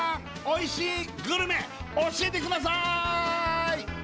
おいしいグルメ教えてください